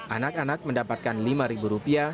anak anak mendapatkan rp lima